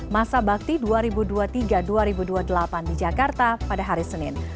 masa bakti dua ribu dua puluh tiga dua ribu dua puluh delapan di jakarta pada hari senin